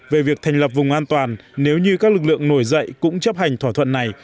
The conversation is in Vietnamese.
về việc thành lập vùng an toàn nếu như các lực lượng nổi dậy cũng chấp hành thỏa thuận này